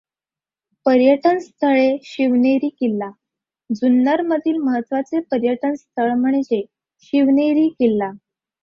पर्यटन स्थळे शिवनेरी किल्ला जुन्नर मधील महत्त्वाचे पर्यटन स्थळ म्हणजे शिवनेरी किल्ला.